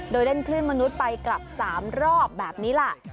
โดยเล่นคลื่นมนุษย์ไปกลับ๓รอบแบบนี้ล่ะ